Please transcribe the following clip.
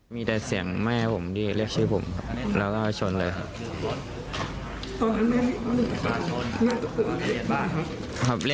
มีแต่เสียงแม่ผมดิเรียกชีวิตผมค่ะแล้วก็ชนเลยค่ะ